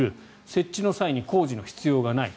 設置の際に工事の必要がない。